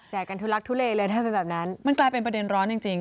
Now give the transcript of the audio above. กันทุลักทุเลเลยถ้าเป็นแบบนั้นมันกลายเป็นประเด็นร้อนจริง